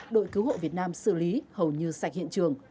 đội cứu hộ việt nam xử lý hầu như sạch hiện trường